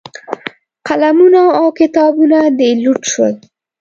قلمونه او کتابونه دې لوټ شول.